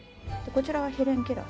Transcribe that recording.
こちらは。